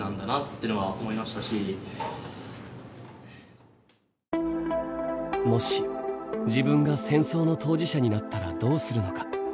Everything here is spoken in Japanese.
そうなると本当に何かもし自分が戦争の当事者になったらどうするのか。